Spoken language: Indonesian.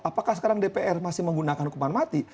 apakah sekarang dpr masih menggunakan hukuman mati